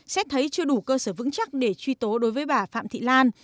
xét thấy chưa đủ cơ sở vững chắc để truy tố đối với bà phạm thị lan